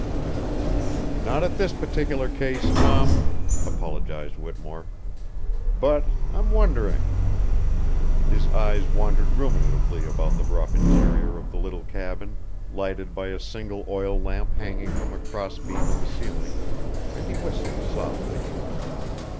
"Not at this particular case, Tom," apologized Whittemore. "But I'm wondering " His eyes wandered ruminatively about the rough interior of the little cabin, lighted by a single oil lamp hanging from a cross beam in the ceiling, and he whistled softly.